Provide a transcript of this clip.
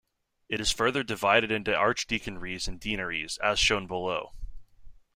It is further divided into archdeaconries and deaneries, as shown below.